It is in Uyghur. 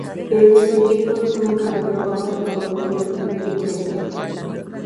ئۆگزىدىكى پوست ئۇنىڭ كارىدورغا قايتقانلىقىنى كۆرۈپ تۇرۇپ ئېتىۋەتكەن.